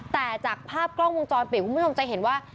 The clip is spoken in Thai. แต่จากภาพกล้องวงจรปิดคุณผู้ชมจะเห็นว่า